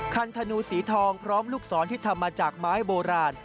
คันธนูสีทองพร้อมลูกศรที่ทำมาจากไม้โบราณ